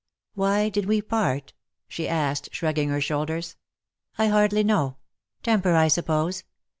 '^Why did we part?'^ she asked, shrugging her shoulders. " I hardly know. Temper, I suppose.